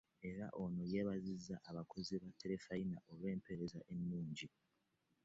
Era ono yeebazizza abakozi ba Terefayina olw'empeereza ennungi